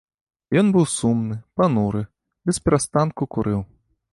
Ён быў сумны, пануры, бесперастанку курыў.